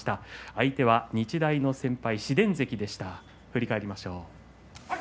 相手が日大の先輩紫雷関でした。